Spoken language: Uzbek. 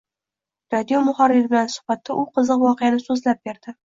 Radio muharriri bilan suhbatda u qiziq voqeani so‘zlab berdi: